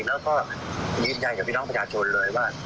แล้วก็ยืนยันกับพี่น้องประชาชนเลยว่า